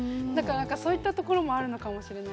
そういったところもあるのかもしれない。